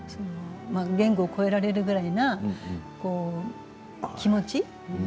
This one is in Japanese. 言語を超えられるくらいな気持ち。